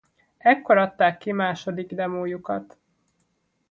Ekkor adták ki második demójukat.